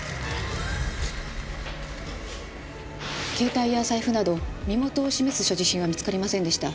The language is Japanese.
携帯や財布など身元を示す所持品は見つかりませんでした。